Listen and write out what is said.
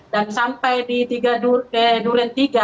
dan sampai di tiga duren tiga